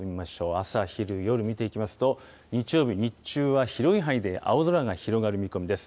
朝昼夜、見ていきますと、日曜日、日中は広い範囲で青空が広がる見込みです。